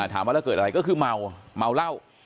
ถามว่าแล้วเกิดอะไรก็คือเมาเมาเหล้า